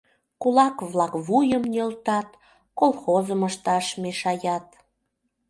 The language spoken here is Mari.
Кулак-влак вуйым нӧлтат, колхозым ышташ мешаят.